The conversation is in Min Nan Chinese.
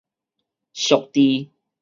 屬佇